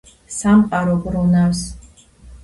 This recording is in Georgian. სამყარო ბრუნავს